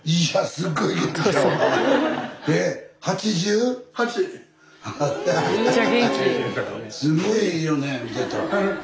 すごいいいよね見てたら。